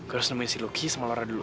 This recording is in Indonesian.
gue harus nemuin si luki sama laura dulu